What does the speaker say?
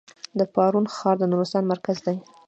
د پارون ښار د نورستان مرکز دی